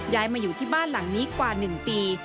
ย้ายมาอยู่ที่บ้านหลังนี้กว่า๑ปี